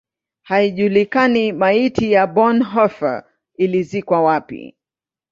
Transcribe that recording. Haijulikani maiti ya Bonhoeffer ilizikwa wapi.